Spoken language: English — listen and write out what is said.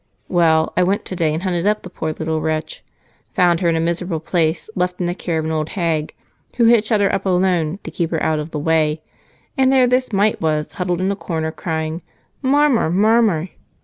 Well, I went today and hunted up the poor little wretch. Found her in a miserable place, left in the care of an old hag who had shut her up alone to keep her out of the way, and there this mite was, huddled in a corner, crying 'Marmar, marmar!'